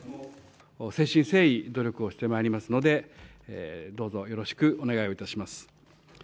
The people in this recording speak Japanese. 誠心誠意、努力をしてまいりますので、どうぞよろしくお願いをいたします。